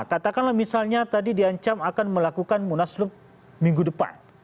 katakanlah misalnya tadi diancam akan melakukan munaslup minggu depan